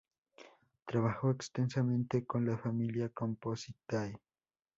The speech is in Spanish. Trabajó extensamente con la familia Compositae.